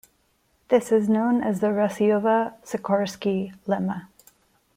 This is known as the Rasiowa-Sikorski lemma.